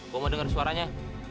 gue mau denger suaranya